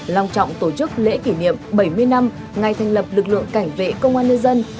lòng trọng tổ chức lễ kỷ niệm bảy mươi năm ngày thành lập lực lượng cảnh vệ công an nhân dân